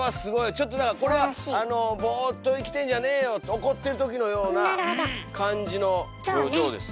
ちょっとだからこれはあのボーっと生きてんじゃねーよと怒ってる時のような感じの表情ですね。